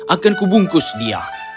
akanku bungkus dia